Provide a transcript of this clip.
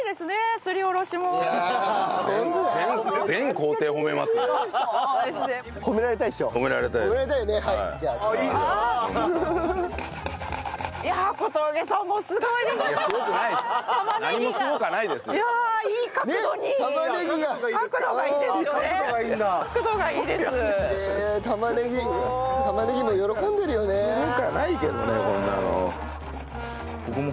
すごくはないけどねこんなの。